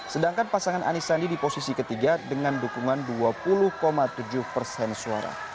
sedangkan pasangan anies sandi di posisi ketiga dengan dukungan dua puluh tujuh persen suara